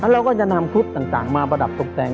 เราก็จะนำชุดต่างมาประดับตกแต่ง